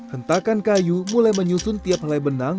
hentakan kayu mulai menyusun tiap helai benang